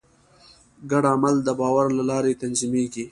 ګډ عمل د باور له لارې تنظیمېږي.